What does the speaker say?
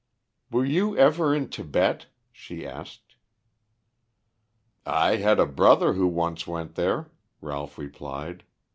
"Were you ever in Tibet?" she asked. "I had a brother who once went there," Ralph replied.